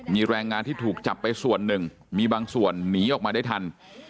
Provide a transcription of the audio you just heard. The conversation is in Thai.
มีแรงงานที่ถูกจับไปส่วนหนึ่งมีบางส่วนหนีออกมาได้ทัน